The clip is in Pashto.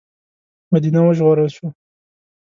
مدینه وژغورل شوه.